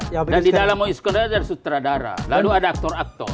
dan di dalam oiskelnya ada sutradara lalu ada aktor aktor